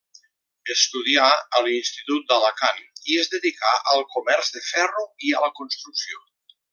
Estudià a l'Institut d'Alacant i es dedicà al comerç de ferro i a la construcció.